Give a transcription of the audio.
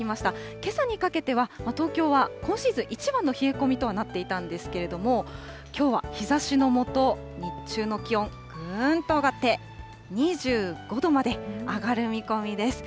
けさにかけては東京は今シーズン一番の冷え込みとなっていたんですけれども、きょうは日ざしの下、日中の気温、ぐーんと上がって、２５度まで上がる見込みです。